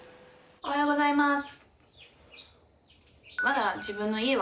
おはようございます。